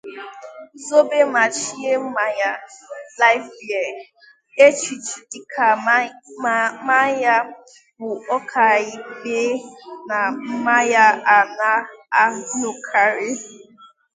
guzobe ma chie mmanya 'Life Beer' echichi dịka mmanya bụ ọkaibe nà mmanya a na-añụkarị